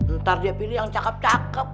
ntar dia pilih yang cakep cakep